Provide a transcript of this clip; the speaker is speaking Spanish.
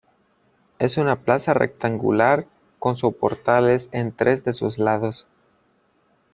Es una plaza rectangular con soportales en tres de sus lados.